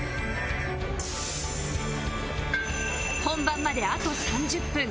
本番まであと３０分